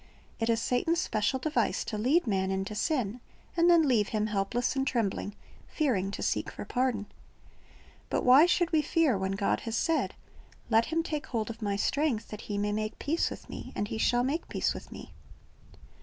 It is Satan's special device to lead man into sin, and then leave him, helpless and trembling, fearing to seek for pardon. But why should we fear, when God has said, "Let him take hold of My strength, that he may make peace with Me; and he shall make peace with Me"?